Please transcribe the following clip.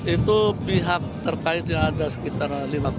itu pihak terkaitnya ada sekitar lima belas